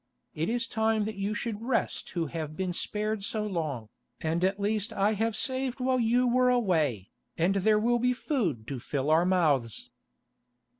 It is time that you should rest who have been spared so long, and at least I have saved while you were away, and there will be food to fill our mouths."